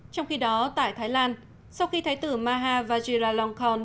trong khi đó tại thái lan sau khi thái tử mahavajiralongkorn